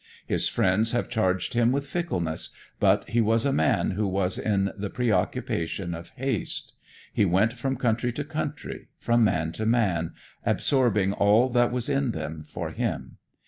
His friends have charged him with fickleness, but he was a man who was in the preoccupation of haste. He went from country to country, from man to man, absorbing all that was in them for him.